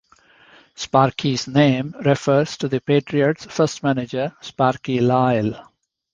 Sparkee's name refers to the Patriots first manager, Sparky Lyle.